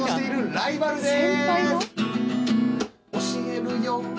ライバルです！